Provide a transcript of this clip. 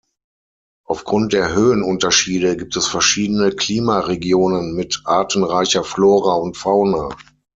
Auf Grund der Höhenunterschiede gibt es verschiedene Klimaregionen mit artenreicher Flora und Fauna.